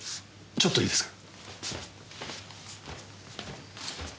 ちょっといいですか。